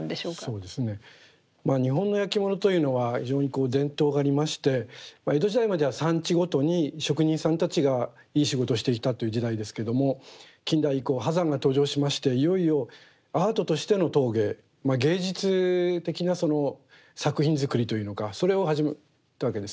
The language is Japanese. そうですね日本のやきものというのは非常に伝統がありまして江戸時代までは産地ごとに職人さんたちがいい仕事をしていたという時代ですけども近代以降波山が登場しましていよいよアートとしての陶芸芸術的な作品作りというのかそれを始めたわけです。